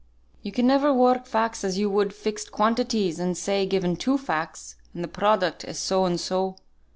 "You can never work facts as you would fixed quantities, and say, given two facts, and the product is so and so.